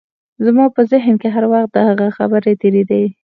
زما په ذهن کې هر وخت دغه خبرې تېرېدې.